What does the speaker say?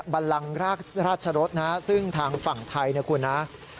บันลังราชรสนะฮะซึ่งทางฝั่งไทยนะคุณนะ